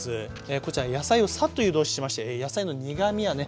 こちら野菜をサッと湯通ししまして野菜の苦みやね